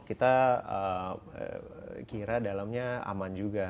kita kira dalamnya aman juga